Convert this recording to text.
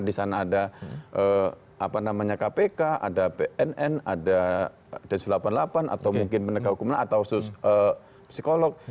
disana ada apa namanya kpk ada pnn ada dasu delapan puluh delapan atau mungkin penegak hukum lain atau khusus psikolog